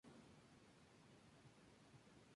Es una planta herbácea dioica.